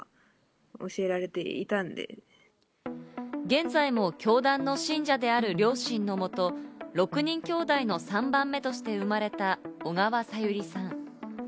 現在も教団の信者である両親のもと、６人きょうだいの３番目として生まれた小川さゆりさん。